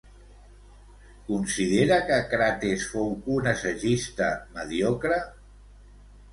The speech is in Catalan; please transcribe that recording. Considera que Crates fou un assagista mediocre?